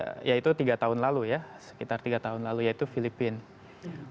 terus kemudian baru ya sekitar tiga tahun lalu ya sekitar tiga tahun lalu yaitu filipina